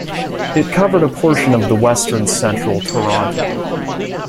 It covered a portion of the western-central Toronto.